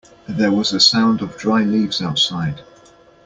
There was a sound of dry leaves outside.